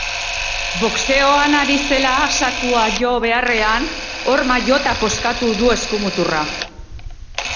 Boxeoan ari zela zakua jo beharrean horma jota puskatu du eskumuturra.